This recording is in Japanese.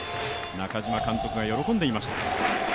中嶋監督が喜んでいました。